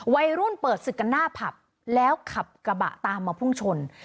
วัยรุ่นเปิดศึกกันหน้าผับแล้วขับกระบะตามมาพุ่งชน